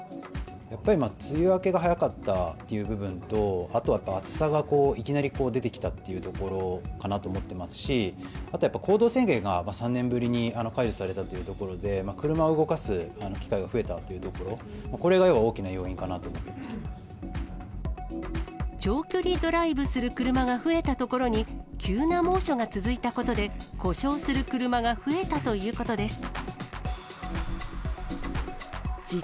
やっぱり梅雨明けが早かったっていう部分と、あとはやっぱ暑さがいきなり出てきたっていうところかなと思ってますし、あとはやっぱり行動制限が３年ぶりに解除されたというところで、車を動かす機会が増えたというところ、これが大きな要因かなと思長距離ドライブする車が増えたところに、急な猛暑が続いたことで、故障する車が増えたということです。